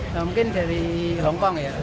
mungkin dari hong kong ya